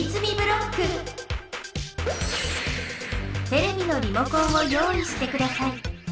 テレビのリモコンを用意してください。